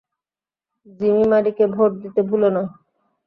Jimmy মারিকে vote দিতে ভুলো না।